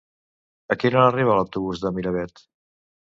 A quina hora arriba l'autobús de Miravet?